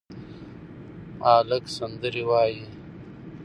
هلک سندرې وايي